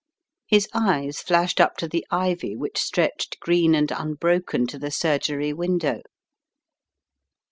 His eyes flashed up to the ivy which stretched green and unbroken to the surgery window.